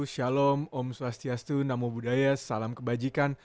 shalom om swastiastu namo buddhaya salam kebajikan